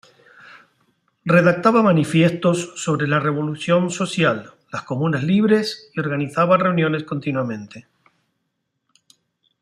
Redactaba manifiestos sobre la revolución social, las comunas libres y organizaba reuniones continuamente.